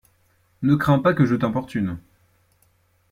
Ne crains pas que je t'importune.